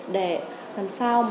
để làm sao